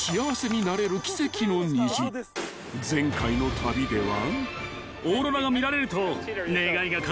［前回の旅では］